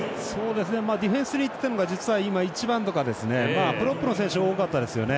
ディフェンスにいってたのが１番とかプロップの選手多かったですね。